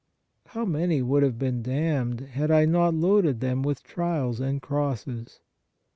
How many would have been damned, had I not loaded them with trials and crosses